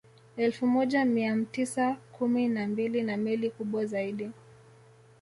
Elfu moja mia mtisa kumi na mbili na meli kubwa zaidi